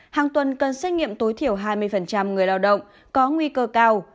hàng tuần cần xét nghiệm tối thiểu hai mươi người lao động có nguy cơ cao